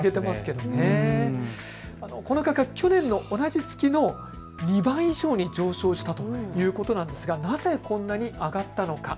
この価格、去年の同じ月の２倍以上に上昇したということなんですがなぜこんなに上がったのか。